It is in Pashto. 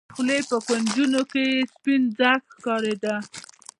د خولې په کونجونو کښې يې سپين ځګ ښکارېده.